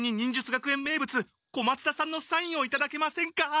小松田さんのサインをいただけませんか？